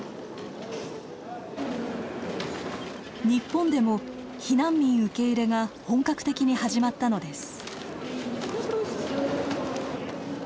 日本でも避難民受け入れが本格的に始まったのです。